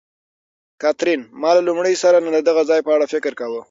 کاترین: ما له لومړي سر نه د دغه ځای په اړه فکر کاوه.